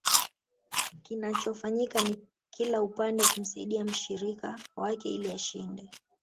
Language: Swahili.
Kinachofanyika ni kila upande kumsaidia mshirika wake ili ashinde